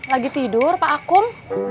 lagi tidur pak akum